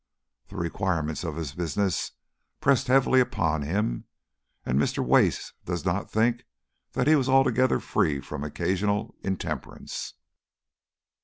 The requirements of his business pressed heavily upon him, and Mr. Wace does not think that he was altogether free from occasional intemperance.